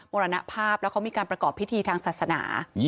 รณภาพแล้วเขามีการประกอบพิธีทางศาสนา